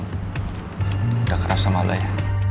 udah keras sama lo aja